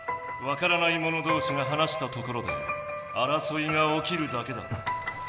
わからないもの同士が話したところであらそいがおきるだけだ。